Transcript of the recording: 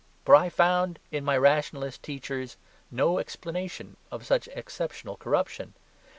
For I found in my rationalist teachers no explanation of such exceptional corruption.